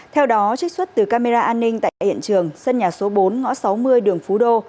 theo đó trích xuất từ camera an ninh tại hiện trường sân nhà số bốn ngõ sáu mươi đường phú đô